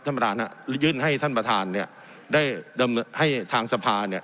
ท่านประธานฮะยื่นให้ท่านประธานเนี่ยได้ดำเนินให้ทางสภาเนี่ย